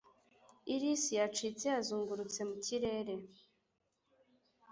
iris yacitse yazungurutse mu kirere